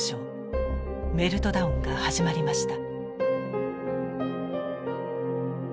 メルトダウンが始まりました。